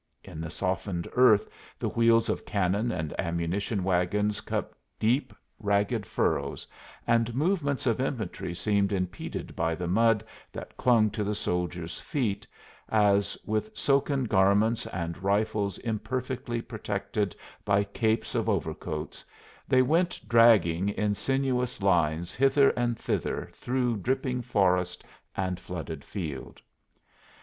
In the softened earth the wheels of cannon and ammunition wagons cut deep, ragged furrows, and movements of infantry seemed impeded by the mud that clung to the soldiers' feet as, with soaken garments and rifles imperfectly protected by capes of overcoats they went dragging in sinuous lines hither and thither through dripping forest and flooded field.